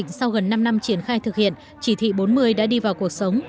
trong thời gian đến trong năm năm triển khai thực hiện chỉ thị bốn mươi đã đi vào cuộc sống